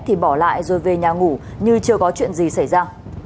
thì bỏ lại rồi về nhà ngủ nhưng chưa có chuyện gì xảy ra